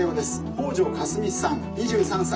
北條かすみさん２３歳。